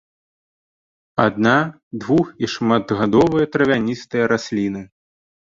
Адна-, двух- і шматгадовыя травяністыя расліны.